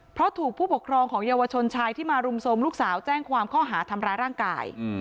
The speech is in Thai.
เพราะถูกผู้ปกครองของเยาวชนชายที่มารุมโทรมลูกสาวแจ้งความข้อหาทำร้ายร่างกาย